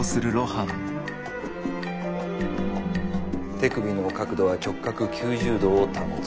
手首の角度は直角９０°を保つ。